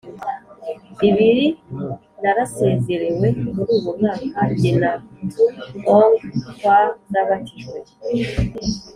ibiri narasezerewe Muri uwo mwaka jye na Htu Aung twarabatijwe